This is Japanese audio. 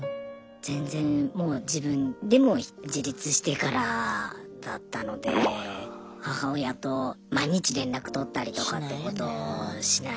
全然もう自分でもう自立してからだったので母親と毎日連絡とったりとかってことしないので。